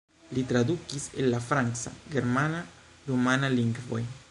Li tradukis el la franca, germana, rumana lingvoj.